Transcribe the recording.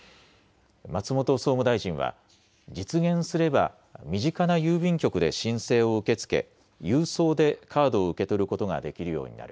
松本総務大臣は、実現すれば身近な郵便局で申請を受け付け、郵送でカードを受け取ることができるようになる。